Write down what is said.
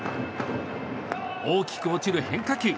大きく落ちる変化球。